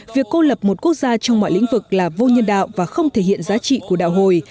việc cô lập một quốc gia trong mọi lĩnh vực là vô nhân đạo và không thể hiện giá trị của đạo hồi